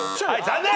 残念！